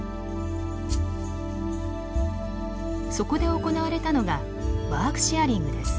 そこで行われたのがワークシェアリングです。